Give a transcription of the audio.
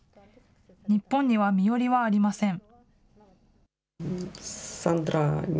日本には身寄りはありません。